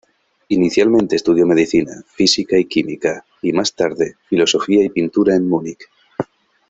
Inicialmente estudió medicina, física y química y, más tarde, filosofía y pintura en Múnich.